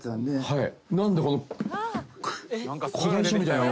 「はい」